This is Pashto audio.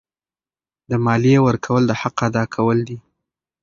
د مالیې ورکول د حق ادا کول دي.